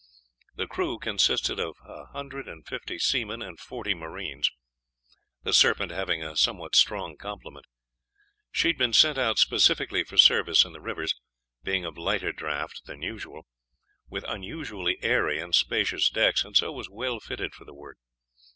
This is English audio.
The crew consisted of a hundred and fifty seamen and forty marines; the Serpent having a somewhat strong complement. She had been sent out specially for service in the rivers, being of lighter draught than usual, with unusually airy and spacious decks, and so was well fitted for the work.